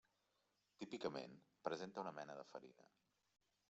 Típicament presenta una mena de farina.